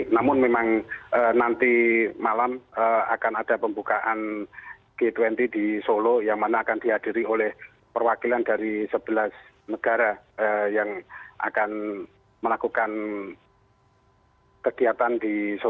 namun memang nanti malam akan ada pembukaan g dua puluh di solo yang mana akan dihadiri oleh perwakilan dari sebelas negara yang akan melakukan kegiatan di solo